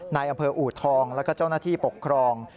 ในอำเภออูทองแล้วก็เจ้าหน้าที่ปกครอง